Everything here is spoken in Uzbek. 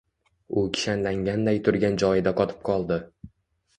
U kishanlanganday turgan joyida qotib qoldi